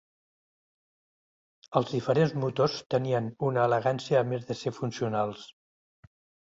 Els diferents motors tenien una elegància a més de ser funcionals.